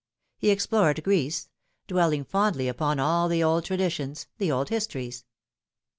He explored Greece dwelling fondly upon all the old traditions, the old histories.